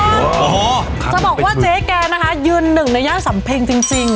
โอ้โหจะบอกว่าเจ๊แกนะคะยืนหนึ่งในย่านสำเพ็งจริง